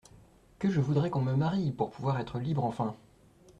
Que je voudrais qu’on me marie, Pour pouvoir être libre enfin !